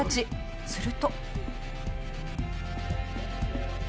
すると。